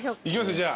いきますよ